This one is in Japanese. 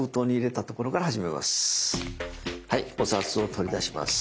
はいお札を取り出します。